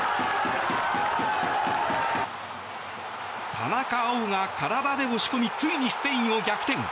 田中碧が体で押し込みついにスペインを逆転。